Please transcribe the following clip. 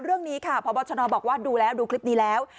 เรื่องนี้ค่ะพบชนบอกว่าดูแล้วดูคลิปนี้แล้ว